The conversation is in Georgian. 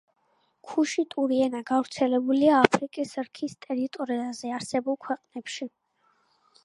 ქუშიტური ენა გავრცელებულია აფრიკის რქის ტერიტორიაზე არსებულ ქვეყნებში.